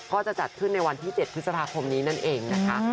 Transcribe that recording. ก็จะจัดขึ้นในวันที่๗พฤษภาคมนี้นั่นเองนะคะ